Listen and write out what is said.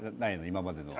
今までの。